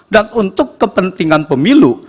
dan untuk kepentingan pemilu